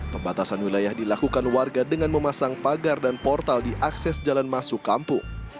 pembatasan wilayah dilakukan warga dengan memasang pagar dan portal di akses jalan masuk kampung